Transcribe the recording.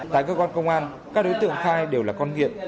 tại cơ quan công an các đối tượng khai đều là con nghiện